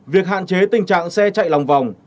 việc hạn chế tình trạng xe chạy lòng vòng